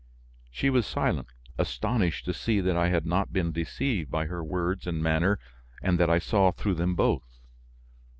She was silent, astonished to see that I had not been deceived by her words and manner and that I saw through them both.